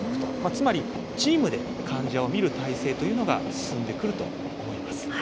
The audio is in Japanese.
つまりチームで患者を診る体制というのが進んでくると思います。